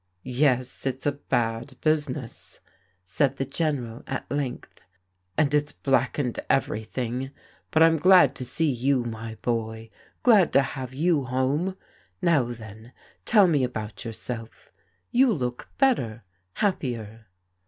" Yes, it's a bad business," said the General at length, " and it's blackened everything; but I'm glad to see you, my boy, glad to have you home. Now then, tell me about yourself. You look better, happier."